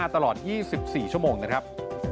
๑๑๙๒๐๒๕๓๕ตลอด๒๔ชั่วโมงนะครับ